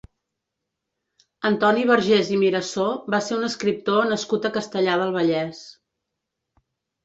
Antoni Vergés i Mirassó va ser un escriptor nascut a Castellar del Vallès.